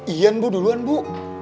ian bu duluan bu